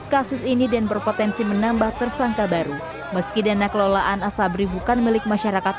kasus ini dan berpotensi menambah tersangka baru meski dana kelolaan asabri bukan milik masyarakat